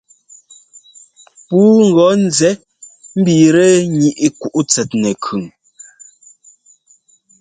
Puu gɔ́ nzɛ mbiitɛ ŋíʼ kǔ tsɛt nɛkʉn.